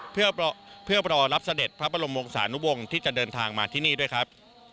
เพื่อรอรับเสด็จพระบรมวงศานุวงศ์ที่จะเดินทางมาที่นี่ด้วยครับ